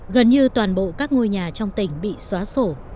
gần như toàn bộ các ngôi nhà trong tỉnh bị xóa sổ